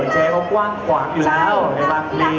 ให้เขากว้างขวางอยู่แล้ว